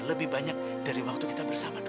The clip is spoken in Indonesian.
lebih banyak dari waktu kita bersama